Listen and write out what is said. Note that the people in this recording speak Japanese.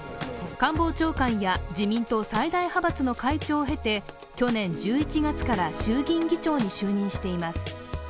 官房長官や自民党最大派閥の会長を経て去年１１月から衆議院議長に就任しています。